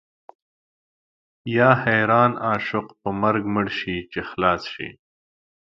یا حیران عاشق په مرګ مړ شي چې خلاص شي.